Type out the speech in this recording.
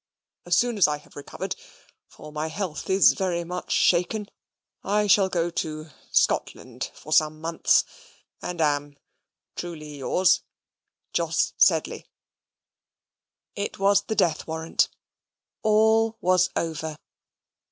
As soon as I have recovered, for my health is very much shaken, I shall go to Scotland for some months, and am Truly yours, Jos Sedley It was the death warrant. All was over.